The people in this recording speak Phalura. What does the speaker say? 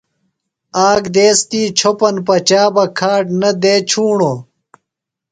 آک دیس تی چھوۡپن پچا بہ کھاڈ نہ دےۡ ڇُھوݨوۡ۔